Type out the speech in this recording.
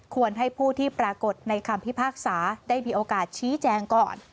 ให้ผู้ที่ปรากฏในคำพิพากษาได้มีโอกาสชี้แจงก่อน